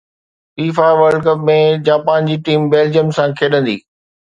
FIFA World Cup ۾ Japan جي team Belgium سان کيڏندي